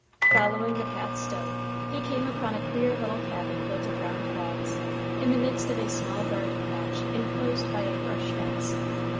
Following the path still, he came upon a queer little cabin built of round logs, in the midst of a small garden patch inclosed by a brush fence.